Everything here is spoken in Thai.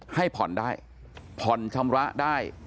ให้ผ่อนได้ผ่อนชำระได้